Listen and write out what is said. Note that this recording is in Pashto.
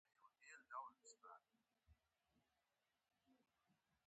پیاز د شړومبو سره هم ښه وي